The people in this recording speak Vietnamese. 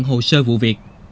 hồ sơ vụ việc